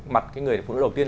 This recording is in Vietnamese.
mặt cái người phụ nữ đầu tiên